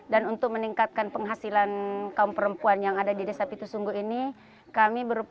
dan hasil dari pancasar